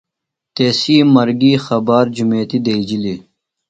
تسی مرگیۡ خبار جُمیتیۡ دئیجِلیۡ.